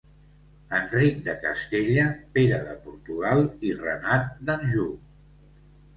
Enric de Castella, Pere de Portugal i Renat d'Anjou.